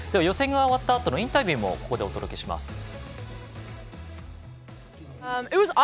予選が終わったあとのインタビューです。